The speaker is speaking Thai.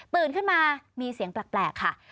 ขึ้นมามีเสียงแปลกค่ะ